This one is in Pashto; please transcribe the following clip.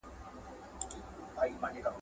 طبیعي غوړي وکاروئ.